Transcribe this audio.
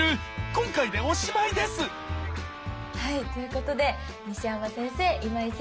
今回でおしまいですはいということで西山先生今井先生安倉先生